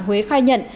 huế khai nhận